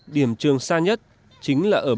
điểm trường xa nhất chính là ở bản đường